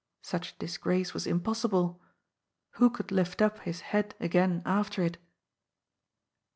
Such disgrace was impossible. Who could lift up his head again after it?